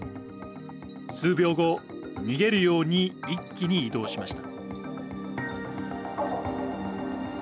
数秒後、逃げるように一気に移動しました。